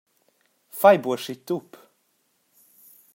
Fai buc aschi tup!